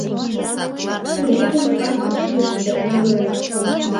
Политинформацийыште ойленыт.